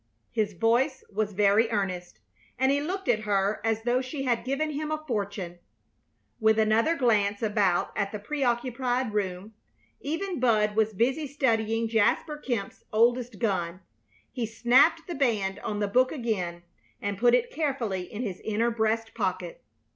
His voice was very earnest, and he looked at her as though she had given him a fortune. With another glance about at the preoccupied room even Bud was busy studying Jasper Kemp's oldest gun he snapped the band on the book again and put it carefully in his inner breast pocket.